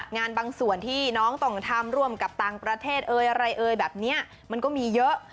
งานบางส่วนที่น้องต้องทำร่วมกับต่างประเทศเอ่ยอะไรเอ่ยแบบนี้มันก็มีเยอะ